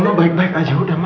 mama baik baik aja